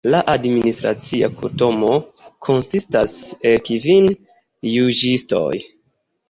La Administracia Kortumo konsistas el kvin juĝistoj.